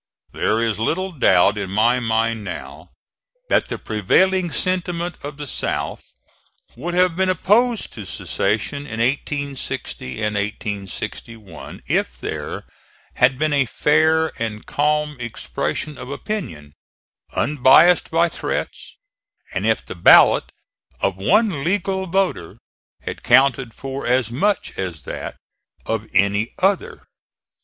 There is little doubt in my mind now that the prevailing sentiment of the South would have been opposed to secession in 1860 and 1861, if there had been a fair and calm expression of opinion, unbiased by threats, and if the ballot of one legal voter had counted for as much as that of any other.